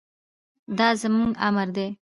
دا زموږ امر دی.